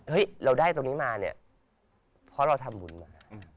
เราได้ตรงนี้มาเนี่ยเพราะเราทำบุญมา